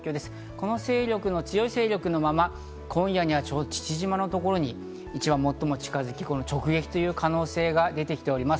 この強い勢力のまま、今夜には父島のところに最も近づき、直撃という可能性が出てきております。